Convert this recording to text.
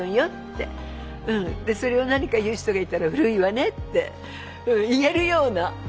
それを何か言う人がいたら古いわねって言えるような。